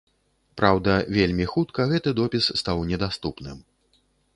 Праўда, вельмі хутка гэты допіс стаў недаступным.